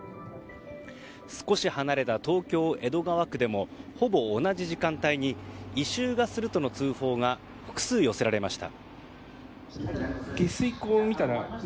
少し離れた東京・江戸川区でもほぼ同じ時間帯に異臭がするとの通報が複数寄せられました。